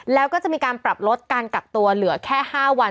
แล้วก็จะมีการปรับลดการกักตัวเหลือแค่๕วัน